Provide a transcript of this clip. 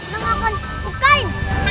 neng akan bukain